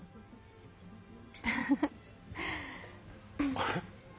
あれ？